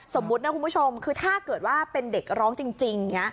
สมมุตินะคุณผู้ชมคือถ้าเกิดว่าเป็นเด็กร้องจริงอย่างนี้